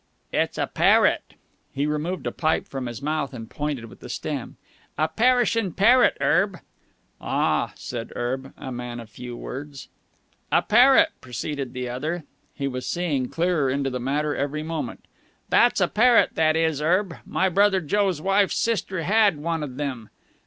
"It's a parrot!" He removed a pipe from his mouth and pointed with the stem. "A perishin' parrot, Erb." "Ah!" said Erb, a man of few words. "A parrot," proceeded the other. He was seeing clearer into the matter every moment. "That's a parrot, that is Erb. My brother Joe's wife's sister had one of 'em.